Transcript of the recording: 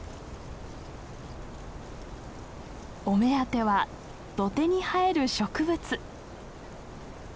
お目当ては土手に生える植物。